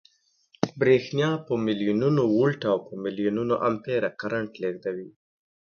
برېښنا په ملیونونو ولټه او په ملیونونو امپیره کرنټ لېږدوي